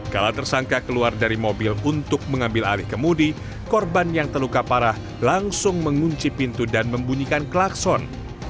kalau tersangka keluar dari mobil untuk mengambil alih kemudi korban yang terluka parah langsung mengunci pintu dan membunyikan klakson